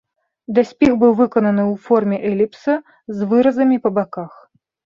Даспех быў выкананы ў форме эліпса з выразамі па баках.